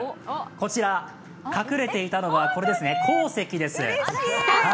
こちら、隠れていたのはこれですね、鉱石です。